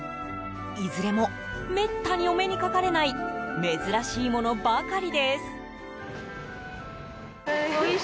いずれもめったにお目にかかれない珍しいものばかりです。